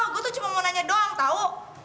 gue tuh cuma mau nanya doang tau